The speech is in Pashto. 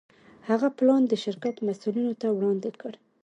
هغه خپل پلان د شرکت مسوولينو ته وړاندې کړ.